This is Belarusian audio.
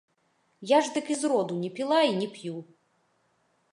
Я ж дык і зроду не піла і не п'ю.